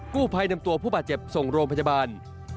กู้ภัยนำตัวผู้บาดเจ็บส่งโรงพยาบาล